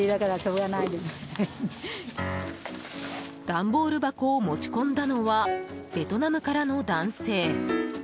段ボール箱を持ち込んだのはベトナムからの男性。